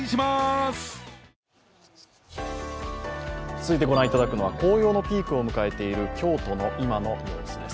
続いて御覧いただくのは、紅葉のピークを迎えている京都の今の状況です。